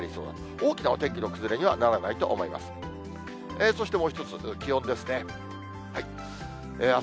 大きなお天気の崩れにはならないと思います。